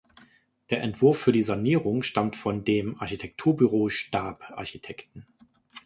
Der Entwurf für die Sanierung stammt von dem Architekturbüro Staab Architekten.